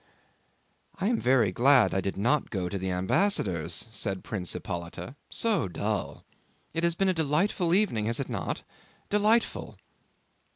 "I am very glad I did not go to the ambassador's," said Prince Hippolyte "—so dull—. It has been a delightful evening, has it not? Delightful!"